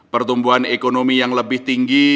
pertumbuhan ekonomi yang lebih tinggi